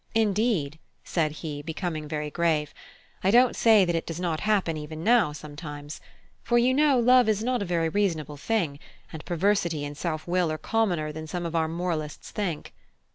Indeed," said he, becoming very grave, "I don't say that it does not happen even now, sometimes. For you know love is not a very reasonable thing, and perversity and self will are commoner than some of our moralists think."